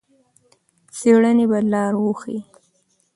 څېړنې به لار وښيي.